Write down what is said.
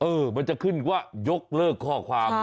มันจะขึ้นว่ายกเลิกข้อความ